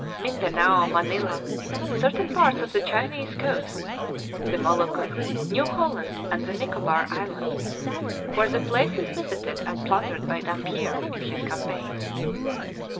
Mindanao, Manilla, certain parts of the Chinese coasts, the Moluccas, New Holland, and the Nicobar Islands, were the places visited and plundered by Dampier in this campaign.